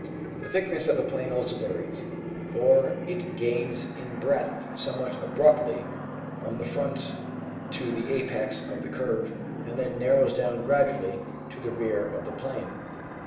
The thickness of the plane also varies, for it gains in breadth somewhat abruptly from the front to the apex of the curve, and then narrows down gradually to the rear of the plane.